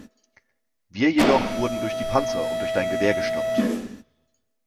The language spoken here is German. Wir jedoch wurden durch die Panzer und durch Dein Gewehr gestoppt.